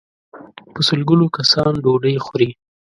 په سل ګونو کسان ډوډۍ خوري.